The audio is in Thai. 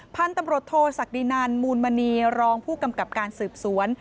พันธุ์ตำรวจโทษศักดินันมูลมณีรองผู้กำกับการสืบสวน